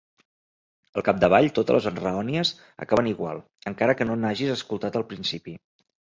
Al capdavall, totes les enraonies acaben igual, encara que no n'hagis escoltat el principi.